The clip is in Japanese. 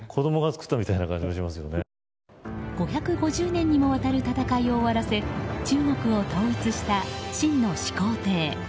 ５５０年にもわたる戦いを終わらせ中国を統一した秦の始皇帝。